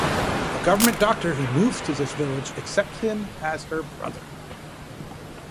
A government doctor who moves to this village accepts him as her brother.